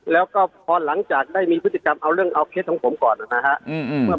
แล้วก็พอหลังจากได้มีพฤติกรรมเอาเรื่องเอาเคสของผมก่อนนะครับ